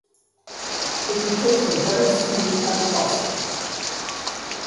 It replaced a double steam punt crossing.